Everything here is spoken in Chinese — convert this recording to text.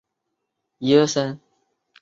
此时不丹还是西藏的边陲。